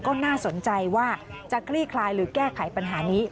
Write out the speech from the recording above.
ก็น่าสนใจว่าจะคลี่คลายหรือแก้ไขปัญหานี้